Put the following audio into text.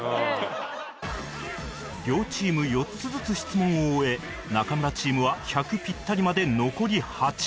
両チーム４つずつ質問を終え中村チームは１００ピッタリまで残り８